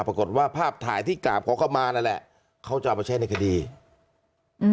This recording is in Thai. ปรากฏว่าภาพถ่ายที่กราบขอเข้ามานั่นแหละเขาจะเอาไปใช้ในคดีอืม